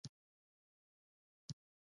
نشته؟ ښاغلی بریدمنه، تاسې راته ووایاست ولې نشته.